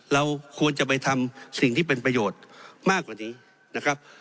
เราควรจะไปทำสิ่งที่เป็นประโยชน์มากกว่านี้นะครับ